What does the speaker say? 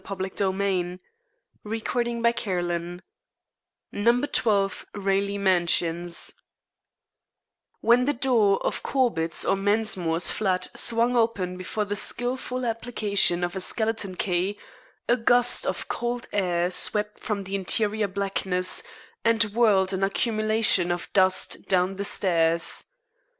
We may learn something." CHAPTER XIV NO 12 RALEIGH MANSIONS When the door of Corbett's or Mensmore's flat swung open before the skilful application of a skeleton key, a gust of cold air swept from the interior blackness, and whirled an accumulation of dust down the stairs.